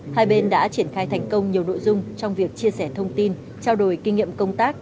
hai bên đã triển khai thành công nhiều nội dung trong việc chia sẻ thông tin trao đổi kinh nghiệm công tác